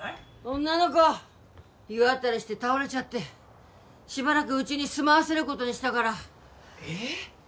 女の子湯あたりして倒れちゃってしばらくウチに住まわせることにしたからえっ？